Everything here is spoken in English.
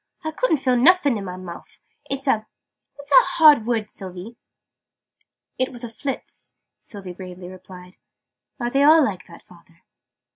"I couldn't feel nuffin in my mouf! It's a what's that hard word, Sylvie?" "It was a Phlizz," Sylvie gravely replied. "Are they all like that, father?"